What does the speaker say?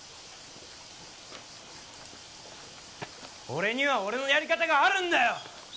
俺には俺のやり方があるんだよ！